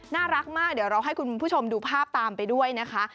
น่ารักมากเดี๋ยวเราให้คุณผู้ชมดูภาพตามไปด้วยนะคะ